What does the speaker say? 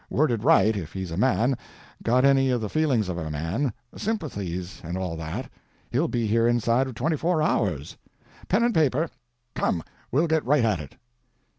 Worded right, if he's a man—got any of the feelings of a man, sympathies and all that, he'll be here inside of twenty four hours. Pen and paper—come, we'll get right at it."